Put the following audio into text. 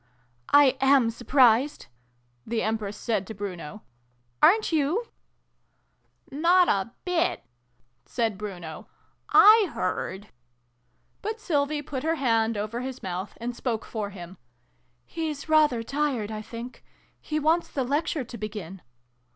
" I am surprised !" the Empress said to Bruno. " Aren't you ?" "Not a bit," said Bruno. "I heard " but Sylvie put her hand over his mouth, and spoke for him. " He's rather tired, I think. He wants the Lecture to begin."